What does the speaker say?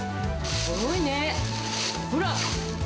すごいね、ほらっ。